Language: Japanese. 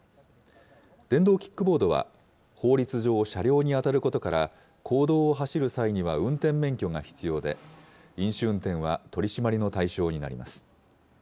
電動キックボードは、法律上、車両に当たることから、公道を走る際には運転免許が必要で、飲酒運転は取締りの対象になります。